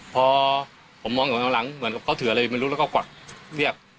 พอผมมองอยู่ข้างหลังเหมือนเขาถืออะไรไม่รู้แล้วก็กวักเรียก